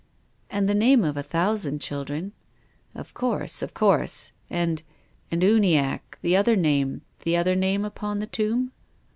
"And the name of a thousand children." " Of course, of course. And — and, Uniacke, the other name, the other name upon that tomb?"